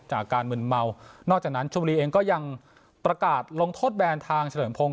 อาการมึนเมานอกจากนั้นชมบุรีเองก็ยังประกาศลงโทษแบนทางเฉลิมพงศ